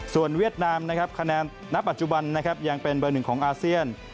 ส่วนเวียดนามนะครับคะแนนณปัจจุบันนะครับยังเป็นเบอร์หนึ่งของอาเซียน